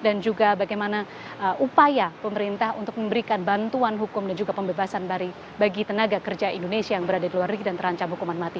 dan juga bagaimana upaya pemerintah untuk memberikan bantuan hukum dan juga pembebasan bagi tenaga kerja indonesia yang berada di luar rik dan terancam hukuman mati